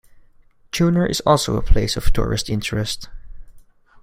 Chunar is also a place of tourist interest.